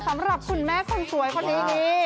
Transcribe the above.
สำหรับคุณแม่คนสวยคนนี้นี่